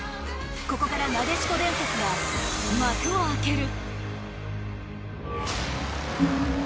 ここから、なでしこ伝説が幕を開ける。